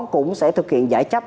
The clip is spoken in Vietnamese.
cũng sẽ thực hiện giải chấp